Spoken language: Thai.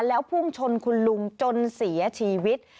แล้วพุ่งชนคุณลุงจนเสียชีวิต